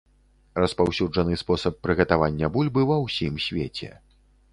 Распаўсюджаны спосаб прыгатавання бульбы ва ўсім свеце.